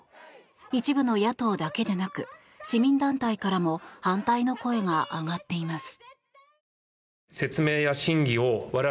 一部の野党だけでなく市民団体からも反対の声が上がっています。